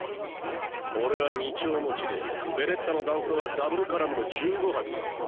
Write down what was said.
俺は２丁持ちでベレッタの弾倉はダブルカラムの１５発だ。